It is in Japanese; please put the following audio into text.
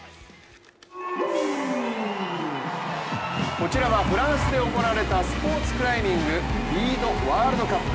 こちらはフランスで行われたスポーツクライミングリードワールドカップ。